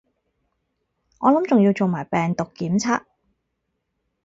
我諗仲要做埋病毒檢測